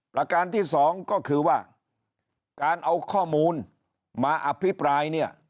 ประการที่สองก็คือว่าการเอาข้อมูลมาอภิปรายเนี่ย